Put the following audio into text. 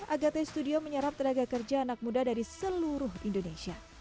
agate studio menyerap tenaga kerja anak muda dari seluruh indonesia